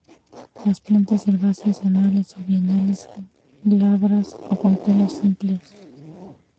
Son plantas herbáceas, anuales o bienales, glabras o con pelos simples.